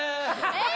えっ？